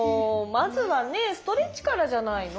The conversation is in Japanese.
まずはストレッチからじゃないの？